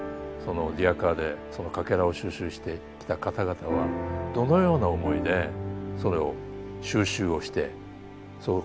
リヤカーでそのかけらを収集してきた方々はどのような思いでそれを収集をしてそこに残していったのか。